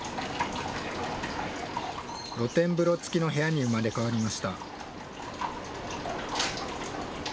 露天風呂付きの部屋に生まれ変わりました。